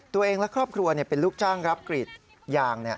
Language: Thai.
ตัวเองและครอบครัวเป็นลูกจ้างรับกรีดยาง